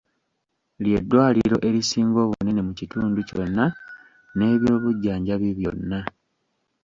Ly'eddwaliro erisinga obunene mu kitundu kyonna n'ebyobujjanjabi byonna .